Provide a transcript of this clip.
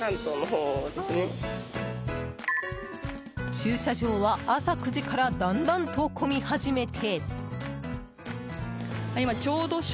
駐車場は朝９時からだんだんと混み始めて。